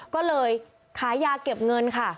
ก็เลยขายยาเก็บเงินค่ะ